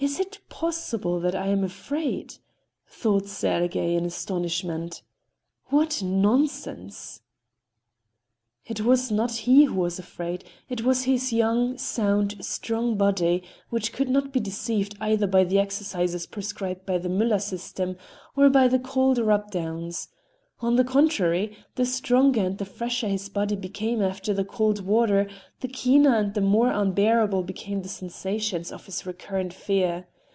"Is it possible that I am afraid?" thought Sergey in astonishment. "What nonsense!" It was not he who was afraid,—it was his young, sound, strong body, which could not be deceived either by the exercises prescribed by the Müller system, or by the cold rub downs. On the contrary, the stronger and the fresher his body became after the cold water, the keener and the more unbearable became the sensations of his recurrent fear.